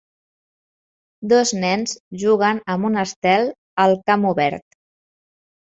Dos nens juguen amb un estel al camp obert